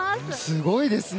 すごいですね。